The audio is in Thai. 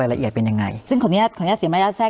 รายละเอียดเป็นยังไงซึ่งของนี้ศึกษ์สีบัญญาติแซ่ง